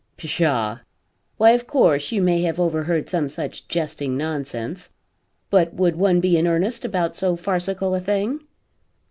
"Pshaw! Why of course you may have overheard some such jesting nonsense. But would one be in earnest about so farcical a thing?"